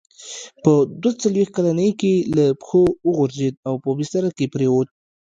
په دوه څلوېښت کلنۍ کې له پښو وغورځېد او په بستره کې پرېووت.